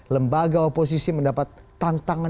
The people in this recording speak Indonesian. lembaga oposisi mendapat tantangan